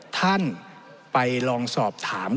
ท่านไปลองสอบถาม